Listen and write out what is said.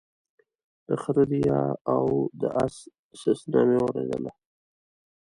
د خره ريا او د اس سسنا مې واورېدله